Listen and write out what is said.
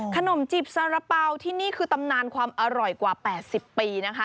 จิบสารเป๋าที่นี่คือตำนานความอร่อยกว่า๘๐ปีนะคะ